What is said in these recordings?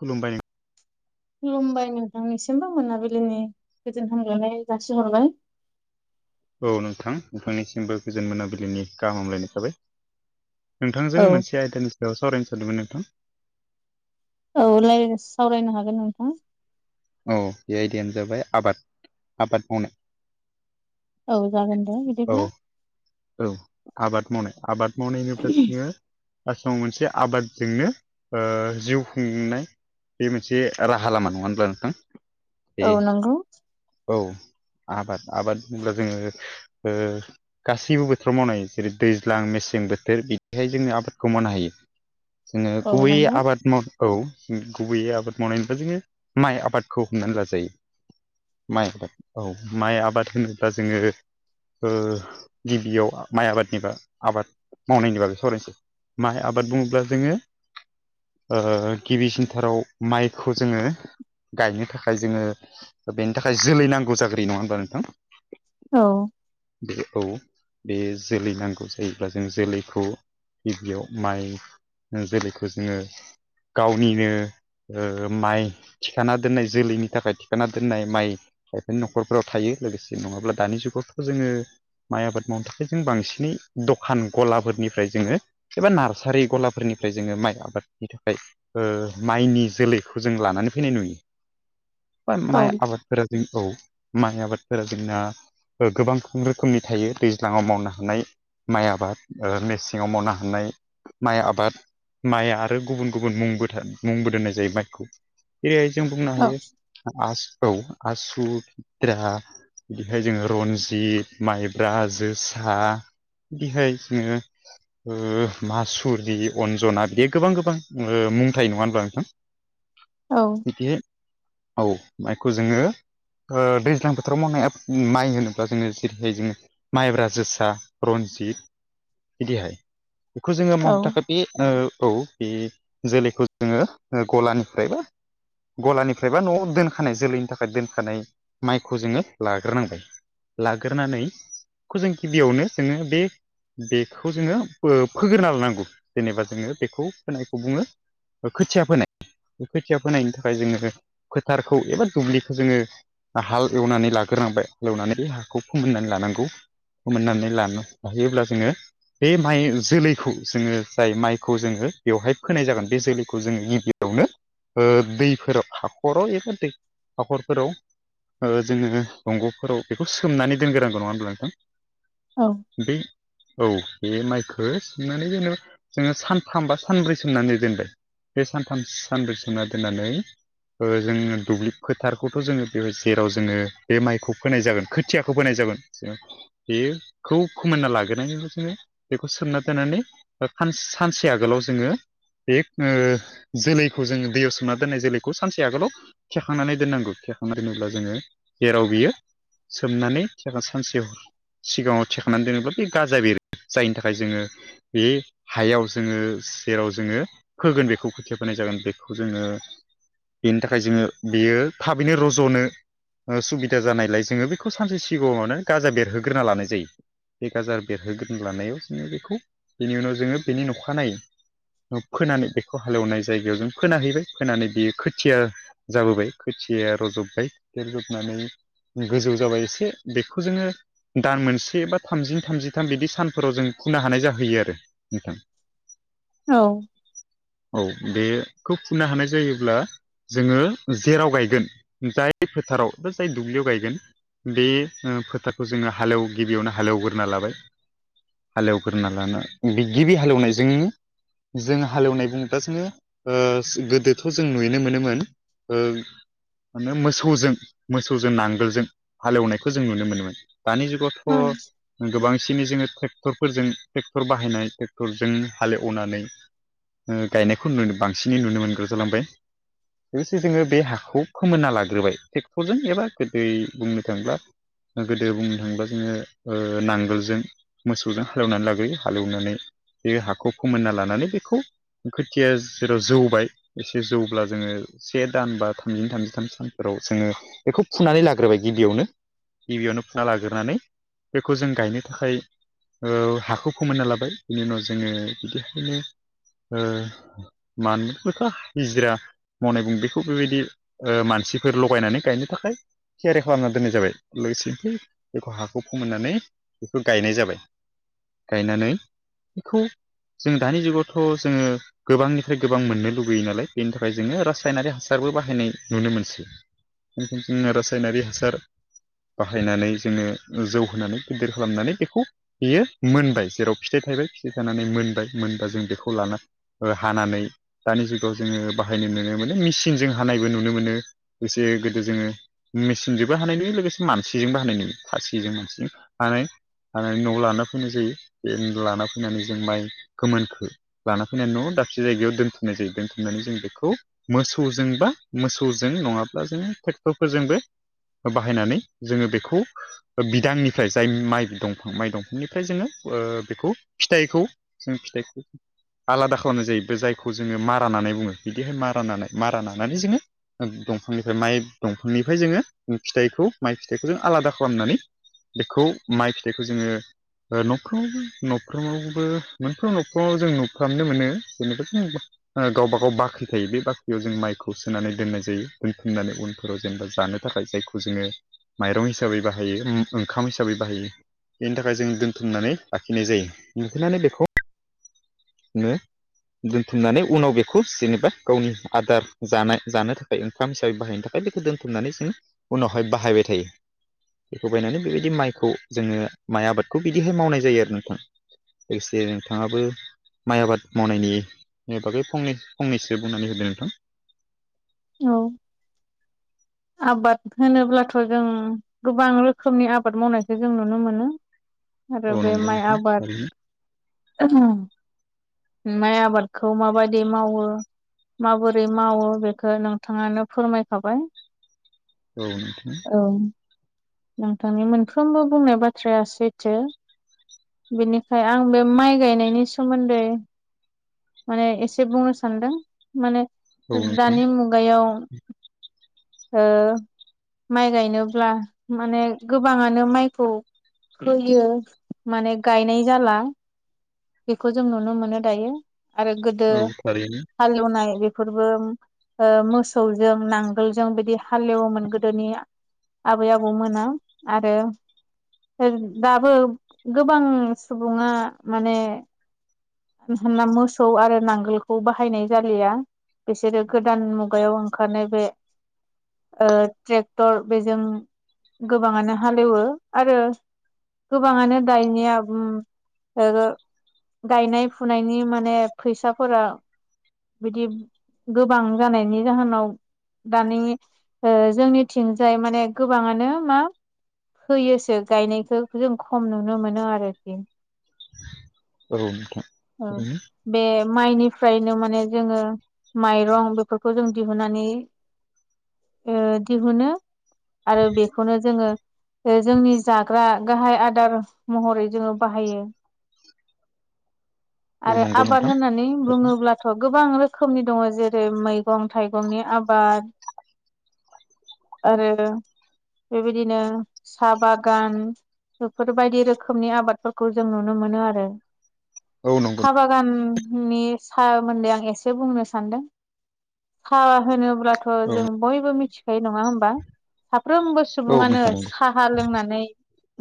खुलुमबाय। खुलुमबाय नोंथांनिसिमबो मोनाबिलिनि गोजोन हामलनाय जासिहरबाय। औ नोंथां नोंथांनिसिमबो गोजोन मोनाबिलिनि गाहाम हालायनाय थाबाय। नोंथांजों औ मोनसे आयदानि सायाव सावरायनो सानदोंमोन नोंथां। औलाय सावरायनो हागोन नोंथां। औ बे आयदायानो जाबाय आबाद आबाद मावनाय औ जागोन दे औ बिदिब्ला औ आबाद मावनाय आबाद मावनायनिफ्राय जोङो आसामाव मोनसे आबादजोंनो ओ जिउ खुंनाय बि मोनसे राहा लामा नङा होनब्ला नोंथां? बे औ नंगौ। औ आबाद आबाद होनब्ला जोङो गासैबो बोथोराव मावनाय जेरै दैज्लां मेसें बोथोर बिदिहाय जोंनो आबादखौ मावनो हायो। जोङो औ गुय नंगौ आबाद माव औ गुबैयै आबाद मावनाय होनबा जोङो माइ आबादखौ हमनानै लाजायो। माइ औ आबाद औ माइ आबाद होनोब्ला जोङो ओ गिबियाव माइ आबादनिबा आबाद मावनायनि बागै सावरायनोसै माइ आबाद बुङोब्ला जोङो गिबिसिनथाराव माइखौ जोङो गायनो थाखाय जोङो बेनि थाखाय जोलै नांगौ जाग्रोयो नङा होमबा नोंथां औ बिदिखौ [unintelligible] बे जोलै नांगौ जायोब्ला जों जोलैखौ गिबियाव माइ ओ जोलैखौ जोङो गावनिनो ओ माइ थिखाना दोननाय जोलैनि थाखाय थिखाना दोननाय माइ खायफानि नखरफोराव थायो लोगोसे नङाब्ला दानि जुगावथ' जोङो माइ आबाद मावनो थाखाय जों बांसिनै दखान गलाफोरनिफ्राय जोङो एबा नार्सारि गलाफोरनिफ्राय जोङो माइ आबादनि थाखाय ओ माइनि जोलैखौ जों लानानै फैनाय नुयो बा औ माइ आबाद [unintelligible] फोर जोंखौ माइ आबादफोरा जोंना ओ गोबां रोखोमनि थायो दैज्लाङाव मावनो हानाय माइ आबाद ओ मेसेंङाव मावनो हानाय माइ आबाद माइआ आरो गुबुन गुबुन मुंबो मुंबो दोननाय जायो माइखौ जेरैहाय जों बुंनो औ हायो औ आसु [unintelligible] बिदिहाय जोङो रनजित माइब्रा जोसा बिदिहाय जोङो मासुरि अनजना बिदि गोबां गोबां मुं थायो नङा होनबा नोंथां [inaudible] औ बिदिहाय औ माइखौ जोङो दैज्लां बोथोराव मावनाय माइ होनोब्ला जोङो जेरैहाय जोङो माइब्रा जोसा रन्जित बिदिहाय बेखौ जोङो औ मावनो थाखाय बे औ बे जोलैखौ जोङो गलानिफ्रायबो गलानिफ्राय बा न'आव दोनखानाय जोलैनि थाखाय दोन माइखौ जोङो लाग्रोनांगोन लाग्रोनानै खौ जों गिबियावनो जोङो बे बेखौ जोङो फोग्रोना लानांगौ जेनेबा जोङो बेखौ फोनायखौ बुङो खोथिया फोनाय बे खोथिया फोनायनि थाखाय जोङो फोथारखौ एबा दुब्लिखौ जोङो हाल एवनानै लाग्रोनांबाय हाल एवनानै हाखौ फोमोननानै लानांगौ फोमोननानै लानो हायोब्ला जोङो बे माइ जोलैखौ जोङो जाय माइखौ जोङो बेवहाय फोनाय जागोन बे जोलैखौ जोङो गिबियावनो बेयावनो दैफोराव हाख'राव एबा दै हाखरफोराव जोङो दंग'फोराव बेखौ सोमनानै दोनग्रोनांगौ नङा होनब्ला नोंथां औ बे औ बे माइखौ सोमनानै जेनेबा जोङो सानथाम बा सानब्रै सोमनानै दोनबाय बे सानथाम सानब्रै सोमना दोननानै जोङो दुब्लि फोथारखौथ' जोङो बे जेराव जोङो बे माइखौ फोनाय जागोन खोथियाखौ फोनाय जागोन बेयो खौ फोमोनना लाग्रोनायनि उनाव जोङो बेखौ सोमना दोननानै सानसे आगोलाव जोङो बे जोलैखौ जोङो दैयाव सोमना दोननाय जोलैखौ सानसे आगोलाव खेरखांनानै दोननांगौ खेरखांनानै दोनोब्ला जोङो जेराव बियो सोमनानै जागोन [unintelligible] सानसे सिगाङाव थिखांनानै दोनोब्ला बे गाजा बेरो जायनि थाखाय जोङो बे हायाव जोङो सेराव जोङो होगोन बेखौ खोथिया फोनाय जागोन बेखौ जोङो बेनि थाखाय जोङो बेयो नो रज'नो सुबिदा जानायलाय जोङो बेखौ सानसे सिगाङावनो गाजा बेरहोग्रोना लानाय जायो। बे गाजा बेरहोग्रोनो लानायाव जोङो बेखौ बेनि उनाव जोङो बेनि अखानायै फोनानै बेखौ हालेवनाय जायगायाव जों फोना हैबाय फोनानै बियो खोथिया जाबोबाय खोथिया रज'बाय रज'नानै गोजौ जाबाय एसे बेखौ जोङो। दान मोनसे बा थामजि थामजिथाम बिदि सानफोराव जों फुनो हानाय जाहैयो आरो नोंथां। [inaudible] औ औ बेखौ फुननो हानाय जायोब्ला जोङो जेराव गाय गोन जाय फोथाराव बा जाय दुब्लियाव गायगोन। बे फोथारखौ जोङो हालेव गिबियावनो हालेवग्रोना लाबाय। हालेवग्रोना लानो गिबि हालेवनायजोंहाय जों हालेवनाय बुङोब्ला जोङो गोदोथ' जों नुनो मोनोमोन। ओं। मानो मोसौजों मोसौजों नांगोलजों हालेवनायखौ जों नुनो मोनोमोन दानि जुगाव। औ गोबांसिनै जोङो ट्रेक्टरफोरजों ट्रेक्टर बाहायनाय ट्रेक्टरजों हाल एवनानै ओ गायनायखौ बांसिनै नुनो मोनग्रा जालांबाय लोगोसे जोङो बे हाखौ फोमोनना लाग्रोबाय ट्रेक्टरजों एबा गोदै बुंनो थाङोब्ला। गोदो बुंनो थाङोब्ला जोङो ओ नांगोलजों मोसौजों हालेवनानै लाग्रोयो हालौवनानै बे हाखौ फोमोनना लानानै बेखौ ओ खोथिया जेराव जौबाय एसे जौब्ला जोङो से दान बा थामनि थामजि सान सानफोराव जोङो बेखौ फुनानै लाग्रोबाय गिबियावनो गिबियावनो फुना लाग्रोनानै बेखौ जों गायनो थाखाय। ओ हाखौ फोमोनना लाबाय बिनि उनाव जोङो बिदिहायनो ओ मानो बेखौ हिजिरा मावनाय बुङो बेखौ बेबादि ओ मानसिफोर लगायनानै गायनो थाखाय थियारि खालामना दोननाय जाबाय लोगोसेनो बेखौ हाखौ फोमोननानै। बेखौ गायनाय जाबाय। जों दानि जुगावथ' जोङो। गोबांनिफ्राय गोबां मोननो लुगैयो नालाय बेनि थाखाय जोङो रासायनारि हासारबो बाहायनाय ओ‌ नुनो मोनसै रासायनारि हासार बाहायनानै जोङो जौहोनानै गिदिर खालामनानै बेखौ बियो मोनबाय जेराव फिथाइ थायबाय फिथाइ थानानै मोनबाय मोनबा जों बेखौ लानानै ओ हानानै दानि जुगाव जोङो बाहायनाय नुनो मोनो मिसिंजों हानायबो नुनो मोनो। एसे गोदो जोङो। मेसिनजोंबो हानाय नुयो लोगोसे मानसिजोंबो हानाय नुयो खासिजों मानसिजों आरो। हानानै न'आव लाना फैनाय जायो बे लाना फैनानै जों माइ गोमोनखो लाना फैनानै न'आव दाबसे जायगायाव दोनथुमनाय जायो दोनथुमनानै जों बेखौ मोसौजों बा मोसौजों नङाब्ला जोङो ट्रेक्टरफोरजोंबो बाहायनानै जोङो बेखौ बिदांनिफ्राय जाय माइ दंफां माइ दंफांनिफ्राय जोङो ओ बेखौ फिथाइखौ जों फिथाइ आलादा खालामनाय जायो बे जायखौ जोङो मारा नानाय बुङो, बिदि मारा नानाय मारा नानानै जोङो। ओ दंफांनिफ्राय माइ दंफांनिफ्राय जोङो फिथाइखौ माइ फिथाइखौ जों आलादा खालामनानै बेखौ माइ फिथाइखौ जोङो। न'खफ्रावबो न'फ्रोमावबो मोनफ्रोमबो न'खराव जों नुफ्रामनो मोनो जेनेबा जों ओ गावबा गाव बाख्रि थायो बे बाख्रियाव जों माइखौहाय सोनानै दोननाय जायो दोनथुमनानै उनफोराव जेनेबा जानो थाखाय जायखौ जोङो। माइरं हिसाबै बाहायो ओम ओंखाम हिसाबै बाहायो बेनि थाखाय जों दोनथुमनानै लाखिनाय जायो दिहुननानै बेखौ दोनथुमनानै उनाव बेखौ जेनेबा गावनि आदार जानाय जानो थाखै [unintelligible] बाहायनो थाखाय बेखौ दोनथुमनानै जोङो उनावहाय बाहायबाय थायो बेखौ बायनानै बेबायदि माइखौ जोङो माइ आबादखौ बिदिहाय मावनाय जायो आरो नोंथां लोगोसे नोंथाङाबो माइ आबाद मावनायनि बागै फंनै फंनैसो बुंनानै होदो नोंथां औ आबाद होनोब्लाथ' जों गोबां रोखोमनि आबाद मावनायखौ जों नुनो मोनो आरो औ बे नंगौ माइ नोंथां आबाद थारैनो माइ आबादखौ माबायदि मावो माबोरै मावो बेखौ नोंथाङानो फोरमायखाबाय औ नोंथां औ नोंथांनि मोनफ्रोमबो बुंनाय बाथ्राया सैथो बेनिखाय आं बे माइ गायनायनि सोमोन्दै माने एसे बुंनो सानदों माने औ नोंथां दानि मुग गायाव ओ माइ गायनोब्ला माने गोबाङानो माइखौ होयो माने गायनाय जाला बेखौ जों नुनो मोनो दायो आरो गोदो औ थारैनो हालेवनाय बेफोरबो ओ मोसौजों नांगोलजों बिदि हालेवोमोन गोदोनि आबै आबौमोना आरो होद दाबो गोबां सुबुङा माने [unintelligible] मोसौ आरो नांगोलखौ बाहायनाय जालिया बिसोरो गोदान मुगायाव ओंखारनाय बे ओ ट्रेक्टर बेजों गोबाङानो हालेवो आरो गोबाङानो दायनिया उम ओ रो गायनाय फुनायनि माने फैसाफोरा बिदि गोबां जानायनि जाहोनाव दानि ओ जोंनिथिंजाय माने गोबाङानो मा फोयोसो गायनायखौ जों खम नुनो मोनो आरो दिन औ नोंथां औ ओरैनो बे माइनिफ्रायनो माने जोङो माइरं बेफोरखौ जों दिहुननानै ओ दिहुनो आरो बेखौनो जोङो ओ जोंनि जाग्रा गाहाय आदार महरै जोङो बाहायो [inaudible] आरो आबाद नोंथां होननानै बुङोब्ला थ' गोबां रोखोमनि दङ जेरै मैगं थाइगंनि आबाद आरो बेबायदिनो सा बागान बेफोरबायदि रोखोमनि आबादफोरखौ जों नुनो मोनो आरो औ नंगौ सा बागाननि सोमोन्दै आं एसे बुंनो सानदों सा होनो ब्लाथ औ जों बयबो मिथिखायो नङा होमबा साफ्रोमबो औ सुबुङानो नोंथां सा सा लोंनानै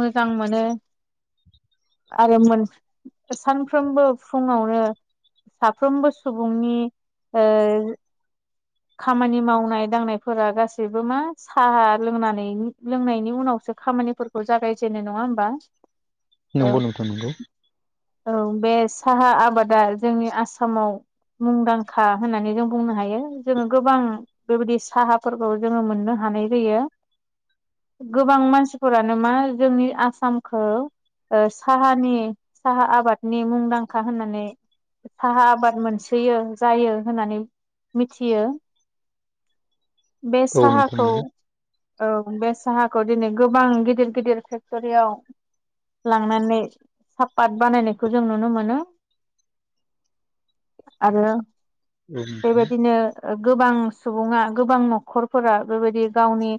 मोजां मोनो आरो मोन सानफ्रोमबो फुङावनो साफ्रोमबो सुबुंनि ओ खामानि मावनाय दांनायफोरा गासै सैबो मा साहा लोंनानै लोंनायनि उनावसो खामानिफोरखौ जागायजेनो नङा होमबा औ नंगौ नोंथां नंगौ औ बे साहा आबादा जोंनि आसामाव मुंदांखा होननानै जों बुंनो हायो जोङो गोबां बेबायदि साहाफोर खौ जोङो मोननो हानाय जायो गोबां मानसिफोरानो मा जोंनि आसामखौ ओ साहानि साहा आबादनि मुंदांखा होननानै साहा आबाद मोनसोयो जायो होननानै मिथियो बे औ नोंथां साहाखौ नंगौ औ बे साहाखौ दिनै गोबां गिदिर गिदिर फेक्ट'रियाव लांनानै सापात बानायनायखौ जों नुनो मोनो आरो औ नोंथां बेबायदिनो गोबां सुबुङा गोबां न'खर न'खरफोरा बेबायदि गावनि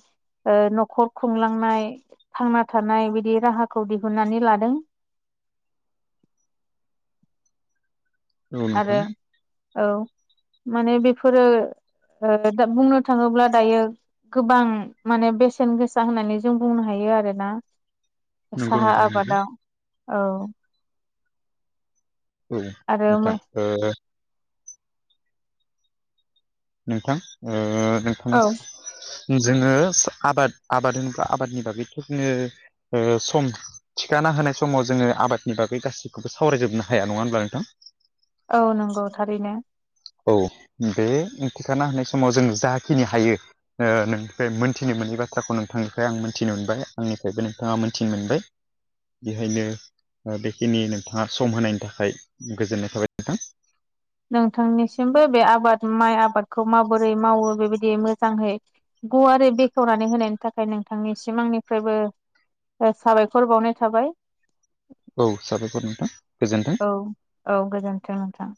ओ न'खर खुंलांनाय थांना थानाय बिदि राहाखौ दिहुननानै लादों औ नोंथां आरो औ माने बेफोरो दा बुंनो थाङोब्ला दायो गोबां माने बेसेन गोसा होननानै जों बुंनो हायो आरोना नंगौ साहा नोंथां नंगौ आबादाव औ औ आरो नोंथां नोंथां नोंथांनि जोङो आबाद आबाद होनोब्ला आबादनि बागै थ जोङो सम थिखाना होनाय समाव जोङो आबादनि बागै गासैखौबो सावरायजोबनो हाया नङा होनब्ला नोंथां औ नंगौ थारैनो औ बे थिखाना होनाय समाव जों जाखिनि हायो नोंनिफ्राय मोनथिनो मोनै बाथ्राखौ नोंथांनिफ्राय आं मोनथिनो मोनबाय आंनिफ्रायबो नोंथाङा मोनथिनो मोनबाय बेखायनो बेखिनि नोंथाङा सम होनायनि थाखाय गोजोननाय थाबाय नोंथां नोंथांनिसिमबो बे आबाद माइ आबादखौ माबोरै मावो बेबायदि मोजांहै गुवारै बेखेवनानै होनायनि थाखाय नोंथांनिसिम आंनिफ्रायबो साबायखर बावनाय थाबाय औ साबायखर नोंथां गोजोन्थों औ औ गोजोन्थों नोंथां